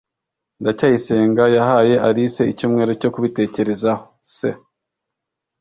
ndacyayisenga yahaye alice icyumweru cyo kubitekerezaho. (c